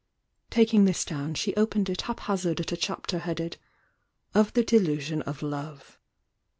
Tak mg this down she opened it haphazard at a chapter headed: "Of the Delusion of Love."